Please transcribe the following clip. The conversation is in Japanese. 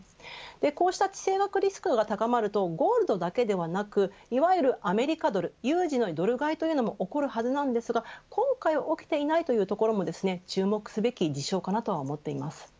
こうした地政学リスク高まるとゴールドだけではなくいわゆるアメリカドル、有事のドル買いというのも起こるはずなんですが今回起きていないというところも注目すべき事象かなと思っています。